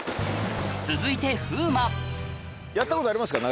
続いてやったことありますか？